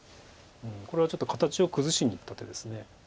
これはちょっと形を崩しにいった手です。